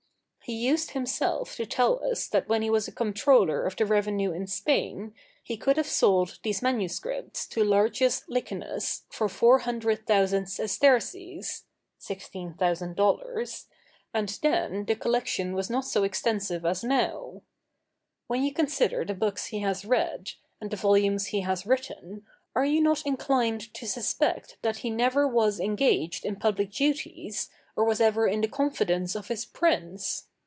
He used himself to tell us that when he was comptroller of the revenue in Spain, he could have sold these manuscripts to Largius Licinus for four hundred thousand sesterces ($16,000), and then the collection was not so extensive as now. When you consider the books he has read, and the volumes he has written, are you not inclined to suspect that he never was engaged in public duties or was ever in the confidence of his prince?